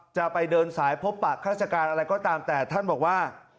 จะไปเดินสายพบปากฮาศจรรย์กว่าอะไรก็ตามแต่ท่านบอกว่า